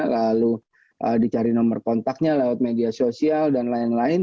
lalu dicari nomor kontaknya lewat media sosial dan lain lain